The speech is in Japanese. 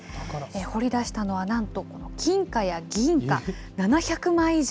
掘り出したのはなんと金貨や銀貨７００枚以上。